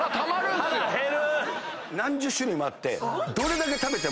何十種類もあって。